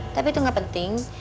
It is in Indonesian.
tapi itu gak penting